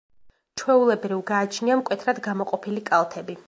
ჩვეულებრივ გააჩნია მკვეთრად გამოყოფილი კალთები.